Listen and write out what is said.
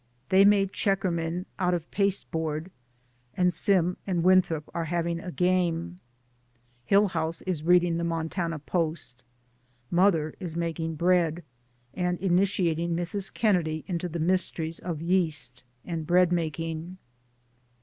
They made checkermen out of pasteboard, and Sim and Winthrop are having a game. Hillhouse is reading the Montana Post. Mother is making bread, and initiating Mrs. Kennedy into the mysteries of yeast and bread making.